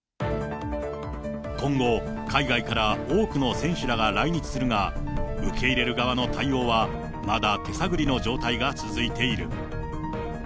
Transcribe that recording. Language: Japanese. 今後、海外から多くの選手らが来日するが、受け入れる側の対応はまだ手探りの状態が続いている。